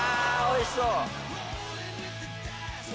おいしそう！